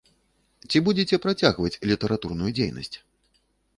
Ці будзеце працягваць літаратурную дзейнасць?